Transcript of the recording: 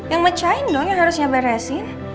yang mecain dong yang harusnya beresin